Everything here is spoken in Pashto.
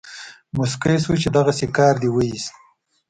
موسکی شو چې دغسې کار دې وایست.